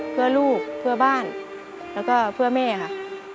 เพื่อลูกเพื่อบ้านแล้วก็เพื่อแม่ค่ะ